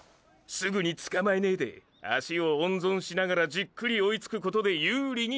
すぐにつかまえねェで足を温存しながらじっくり追いつくことで有利になる。